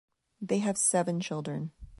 They have seven children.